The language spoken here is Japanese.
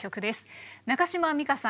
中島美嘉さん